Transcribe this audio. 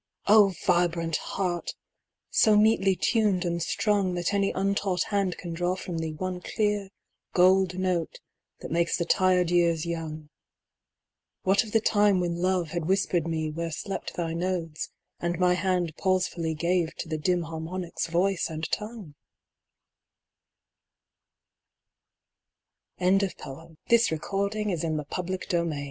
O vibrant heart! so metely tuned and strung That any untaught hand can draw from thee One clear gold note that makes the tired years young What of the time when Love had whispered me Where slept thy nodes, and my hand pausefully Gave to the dim harmonics voice and tongue? ON THE RIVER The faint stars wake and wonder, Fa